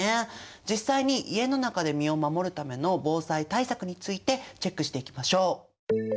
実際に家の中で身を守るための防災対策についてチェックしていきましょう。